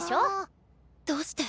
どうして。